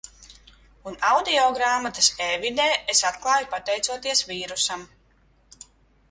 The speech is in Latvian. Un audio grāmatas e-vidē es atklāju pateicoties vīrusam.